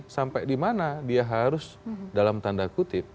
sampai dimana dia harus dalam tanda kutip